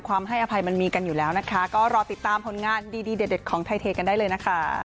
ให้อภัยมันมีกันอยู่แล้วนะคะก็รอติดตามผลงานดีเด็ดของไทยเทกันได้เลยนะคะ